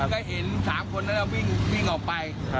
ก็เห็น๓คนนั้นวิ่งออกไป